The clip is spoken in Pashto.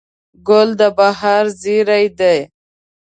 ګل د بهار زېری دی.